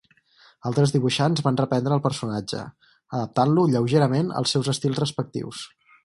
Altres dibuixants van reprendre el personatge, adaptant-lo lleugerament als seus estils respectius.